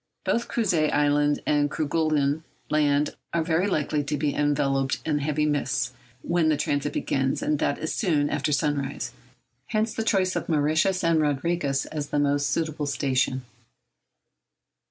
Both Crozet Island and Kerguelen Land are very likely to be enveloped in heavy mists when the transit begins—that is, soon after sunrise—hence the choice of Mauritius and Rodriguez as the most suitable station.